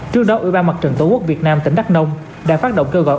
trước đó ủy ban mặt trận tổ quốc việt nam tỉnh đắk nông đã phát động kêu gọi